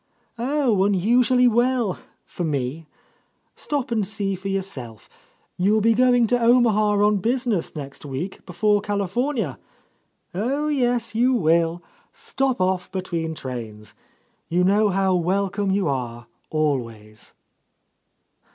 "Oh, unusually well, for me. Stop and see for yourself. You will be going to Omaha on busi ness next week, before California. Oh, yes, you will I Stop off between trains. You know how welcome you are, always."